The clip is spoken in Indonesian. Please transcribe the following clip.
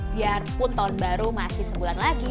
biarpun tahun baru masih sebulan lagi